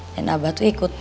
dan abah tuh ikut